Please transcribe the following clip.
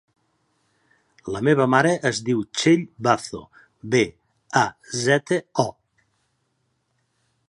La meva mare es diu Txell Bazo: be, a, zeta, o.